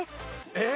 えっ！？